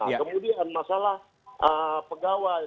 nah kemudian masalah pegawai